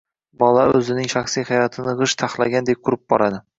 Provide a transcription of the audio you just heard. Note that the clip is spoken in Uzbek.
Bola o‘zining shaxsiy hayotini g‘isht taxlagandek qurib boradi.